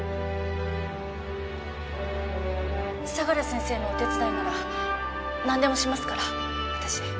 相良先生のお手伝いならなんでもしますから私。